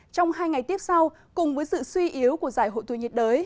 trong hai ngày tiếp sau cùng với sự suy yếu của giải hội tù nhiệt đới